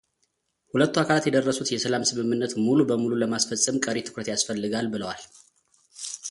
ሁለቱ አካላት የደረሱት የሰላም ስምምነትን ሙሉ በሙሉ ለማስፈጸም ቀሪ ትኩረት የስፈልጋል ብለዋል።